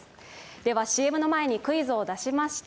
ではＣＭの前にクイズを出しました